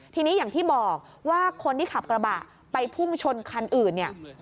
ทีนี้อย่างที่บอกว่าคนที่ขับกระบะไปพุ่งชนคันอื่นเนี่ย